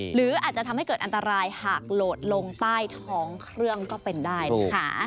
หรืออาจจะทำให้เกิดอันตรายหากโหลดลงใต้ท้องเครื่องก็เป็นได้นะคะ